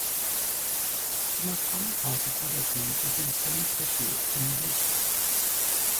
The most common cause of elbow pain is inflamed tissues in the region.